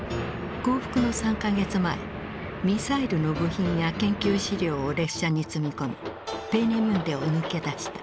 降伏の３か月前ミサイルの部品や研究資料を列車に積み込みペーネミュンデを抜け出した。